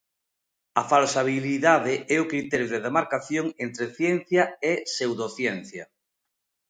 A falsabilidade é o criterio de demarcación entre ciencia e pseudociencia.